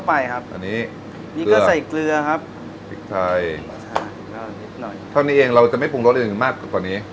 อันนี้นี่ก็ใส่เกลือครับพริกไทยนิดหน่อยเท่านี้เองเราจะไม่ปรุงรสอื่นมากกว่านี้